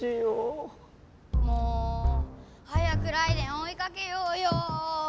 早くライデェンおいかけようよ。